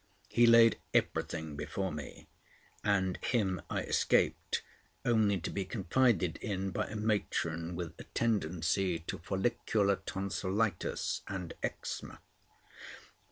He laid everything before me; and him I escaped only to be confided in by a matron with a tendency to follicular tonsilitis and eczema.